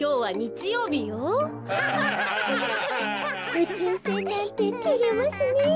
うちゅうせんなんててれますねえ。